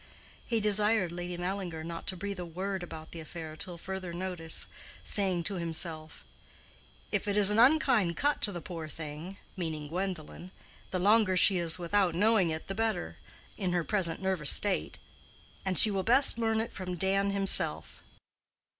He desired Lady Mallinger not to breathe a word about the affair till further notice, saying to himself, "If it is an unkind cut to the poor thing (meaning Gwendolen), the longer she is without knowing it the better, in her present nervous state. And she will best learn it from Dan himself."